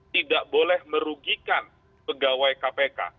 tidak boleh merugikan pegawai kpk